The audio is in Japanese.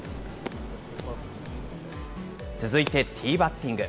続いてティーバッティング。